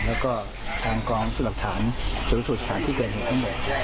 แล้วก็ทางกรองสู่หลักฐานส่วนสูตรสารที่เกิดเห็นทั้งหมด